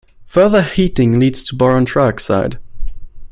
Further heating leads to boron trioxide.